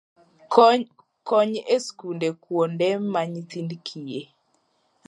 Kony e skunde, kuonde ma nyithind kiye